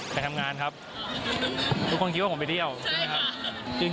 ไปทำงานครับทุกคนคิดว่าผมไปเที่ยวใช่ไหมครับ